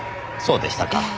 そうでしたか。